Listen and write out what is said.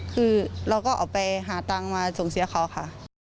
คือเราก็ออกไปหาตังค์มาส่งเสียเขาค่ะ